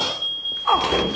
あっ！